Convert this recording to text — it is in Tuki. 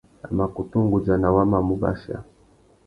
A mà kutu nʼgudzana wa mà mù bachia.